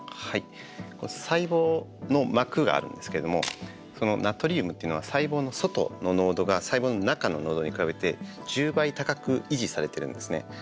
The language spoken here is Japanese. はい細胞の膜があるんですけれどもそのナトリウムっていうのは細胞の外の濃度が細胞の中の濃度に比べて１０倍高く維持されてるんですね。